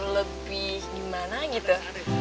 lebih gimana gitu